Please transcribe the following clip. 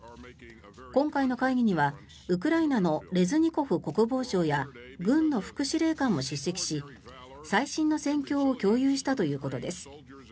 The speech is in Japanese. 今回の会議にはウクライナのレズニコフ国防相や軍の副司令官も出席し最新の戦況を共有したということです。